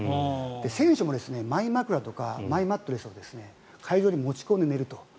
選手もマイ枕とかマイマットレスとかを会場に持ち込んで寝ると。